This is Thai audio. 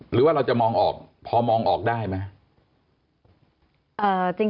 หรือว่าเราจะมองออกพอมองออกได้ไหม